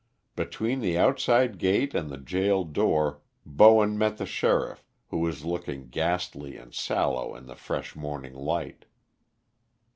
Between the outside gate and the gaol door Bowen met the sheriff, who was looking ghastly and sallow in the fresh morning light.